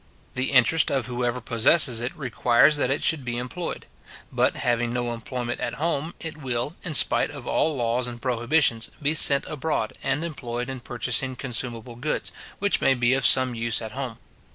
The interest of whoever possesses it requires that it should be employed; but having no employment at home, it will, in spite of all laws and prohibitions, be sent abroad, and employed in purchasing consumable goods, which may be of some use at home.